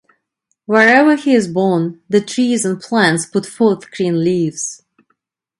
Wherever he is born, the trees and plants put forth green leaves.